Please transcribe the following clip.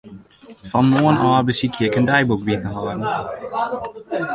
Fan moarn ôf besykje ik in deiboek by te hâlden.